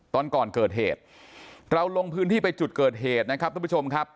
ตอนก่อนเกิดเหตุเราลงพื้นที่ไปจุดเกิดเหตุนะครับทุกผู้ชมครับ